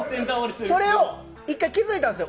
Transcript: それを１回、気づいたんですよ。